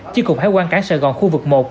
chiếc cục hải quan cả sài gòn khu vực một